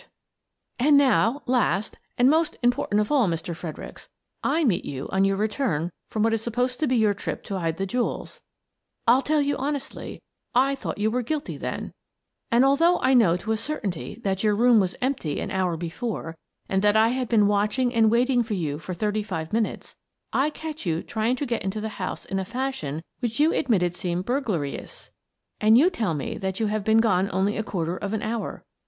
"Thou Art the Man" 141 " And now, last, and most important of all, Mr. Fredericks, I meet you on your return from what is supposed to be your trip to hide the jewels (I'll tell you honestly, I thought you were guilty then), and although I know to a certainty that your room was empty an hour before and that I had been watching and waiting for you for thirty five min utes, I catch you trying to get into the house in a fashion which you admitted seemed burglarious, and you tell me that you have been gone only a quarter of an hour.